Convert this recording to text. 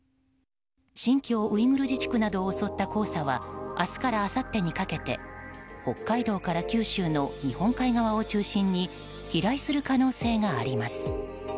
新疆ウイグル自治区などを襲った黄砂は明日からあさってにかけて北海道から九州の日本海側を中心に飛来する可能性があります。